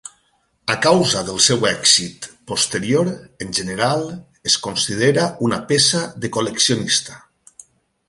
A causa del seu èxit posterior, en general, es considera una peça de col·leccionista.